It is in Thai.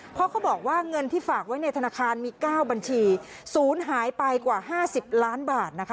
เพราะเขาบอกว่าเงินที่ฝากไว้ในธนาคารมี๙บัญชีศูนย์หายไปกว่า๕๐ล้านบาทนะคะ